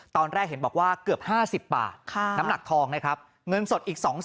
ตอนแรกเห็นบอกว่าเกือบ๕๐บาทน้ำหนักทองนะครับเงินสดอีก๒๐๐๐